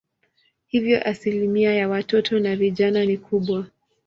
Hivyo asilimia ya watoto na vijana ni kubwa.